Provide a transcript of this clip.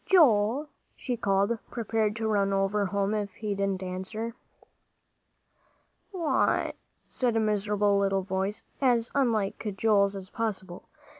"Joel!" she called, prepared to run over home if he didn't answer. "What?" said a miserable little voice, as unlike Joel's as possible.